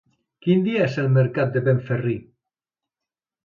Quin dia és el mercat de Benferri?